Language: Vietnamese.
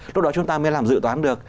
lúc đó chúng ta mới làm dự toán được